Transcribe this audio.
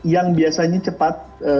yang biasanya cepat